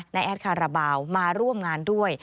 แอดคาราบาลมาร่วมงานด้วย